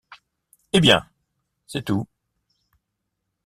Eh bien ! c’est tout.